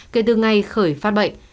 kể từ ngày khởi phát bệnh